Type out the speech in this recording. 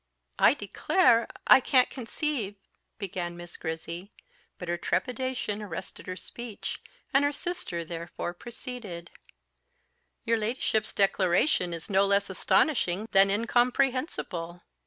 "I declare I can't conceive " began Miss Grizzy; but her trepidation arrested her speech, and her sister therefore proceeded "Your ladyship's declaration is no less astonishing than incomprehensible.